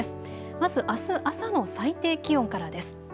まずあす朝の最低気温からです。